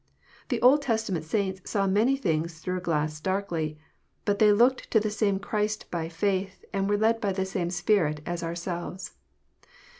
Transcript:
The Old Testament saints saw many things through a glass darkly : but they looked to the same Christ by faith, and were led by the same Spirit as ourselves.